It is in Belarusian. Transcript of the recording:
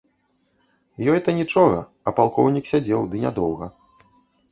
Ёй то нічога, а палкоўнік сядзеў, ды нядоўга.